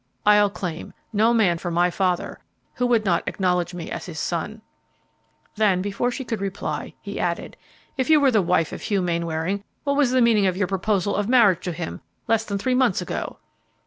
I'll claim no man for my father who would not acknowledge me as his son." Then, before she could reply, he added, "If you were the wife of Hugh Mainwaring, what was the meaning of your proposal of marriage to him less than three months ago?"